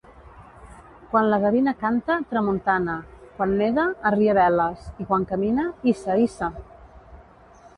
Quan la gavina canta, tramuntana; quan neda, arria veles, i quan camina, hissa, hissa!